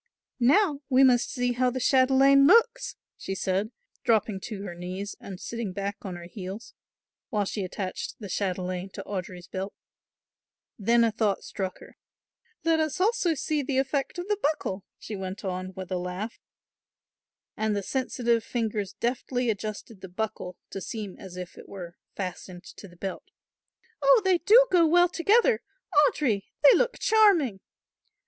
"Now we must see how the chatelaine looks," she said, dropping to her knees and sitting back on her heels, while she attached the chatelaine to Audry's belt. Then a thought struck her. "Let us also see the effect of the buckle," she went on with a laugh, and the sensitive fingers deftly adjusted the buckle to seem as if it were fastened to the belt. "Oh, they do go well together! Audry, they look charming!"